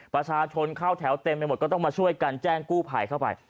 ประชาชนเข้าแถวเต็มไปหมดก็ต้องมาช่วยกันแจ้งกู้ภัยเข้าไป